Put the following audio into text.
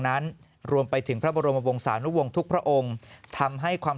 นั้นรวมไปถึงพระบรมวงศานุวงศ์ทุกพระองค์ทำให้ความ